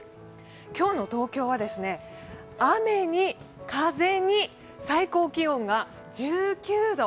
今日の東京は雨に風に最高気温が１９度。